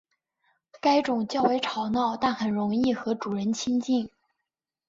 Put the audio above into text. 该种较为吵闹但很容易和主人亲近。